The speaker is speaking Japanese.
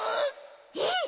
えっ！